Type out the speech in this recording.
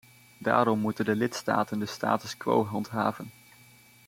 Daarom moeten de lidstaten de status quo handhaven.